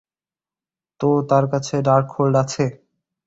তো তার কাছে ডার্কহোল্ড আছে?